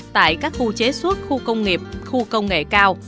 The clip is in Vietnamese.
tại các khu chế xuất khu công nghiệp khu công nghệ cao